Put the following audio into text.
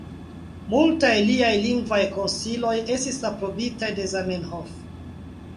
Multaj liaj lingvaj konsiloj estis aprobitaj de Zamenhof.